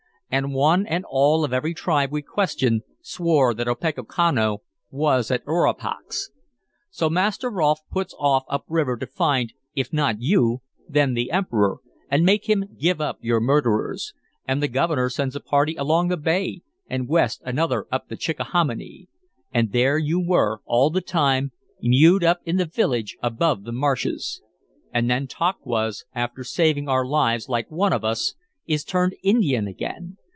And one and all of every tribe we questioned swore that Opechancanough was at Orapax. So Master Rolfe puts off up river to find, if not you, then the Emperor, and make him give up your murderers; and the Governor sends a party along the bay, and West another up the Chickahominy. And there you were, all the time, mewed up in the village above the marshes! And Nantauquas, after saving our lives like one of us, is turned Indian again!